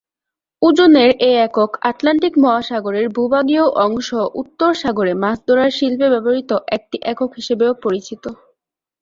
ওজনের এ একক আটলান্টিক মহাসাগরের ভূভাগীয় অংশ উত্তর সাগরে মাছ ধরার শিল্পে ব্যবহৃত একটি একক হিসেবেও পরিচিত।